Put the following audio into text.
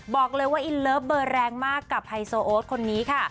บอกเลยว่าอินเลิฟเบอร์แรงมากกับไฮโซโอ๊ตคนนี้ค่ะ